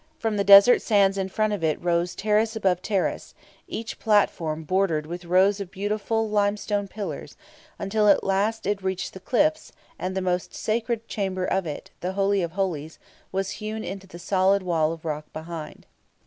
From the desert sands in front it rose terrace above terrace, each platform bordered with rows of beautiful limestone pillars, until at last it reached the cliffs, and the most sacred chamber of it, the Holy of Holies, was hewn into the solid wall of rock behind.